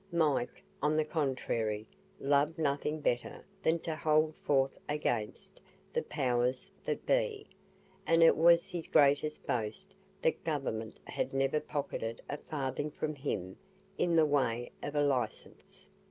Mike, on the contrary, loved nothing better than to hold forth against the powers that be; and it was his greatest boast that Government had never pocketed a farthing from him in the way of a licence.